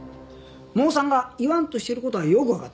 モーさんが言わんとしてる事はよくわかった。